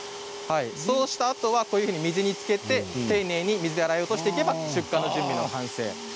そうしたあとはこのように水につけて丁寧に水で洗い落としていけば出荷の準備の完成。